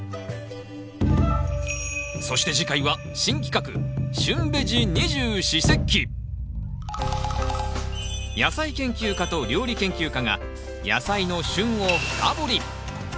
そして次回は新企画野菜研究家と料理研究家が野菜の「旬」を深掘り。